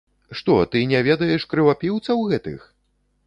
Што, ты не ведаеш крывапіўцаў гэтых?